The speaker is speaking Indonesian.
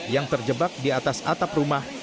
yang terjebak di atas atap rumah